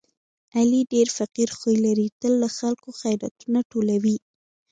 علي ډېر فقیر خوی لري، تل له خلکو خیراتونه ټولوي.